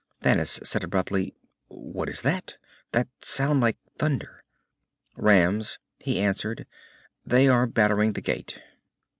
Thanis said abruptly, "What is that that sound like thunder?" "Rams," he answered. "They are battering the gate."